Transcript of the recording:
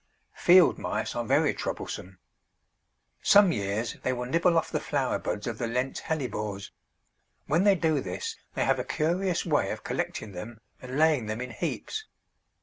Field mice are very troublesome. Some years they will nibble off the flower buds of the Lent Hellebores; when they do this they have a curious way of collecting them and laying them in heaps.